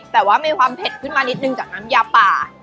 แต่ว่ามีความเผ็ดขึ้นมานิดนึงจากน้ำยาป่า